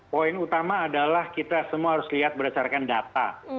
poin utama adalah kita semua harus lihat berdasarkan data